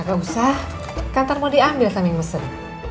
gak usah kan ntar mau diambil sama yang pesen